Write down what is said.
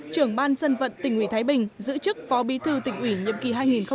trưởng ban dân vận tỉnh ủy thái bình giữ chức phó bí thư tỉnh ủy nhiệm kỳ hai nghìn một mươi sáu hai nghìn hai mươi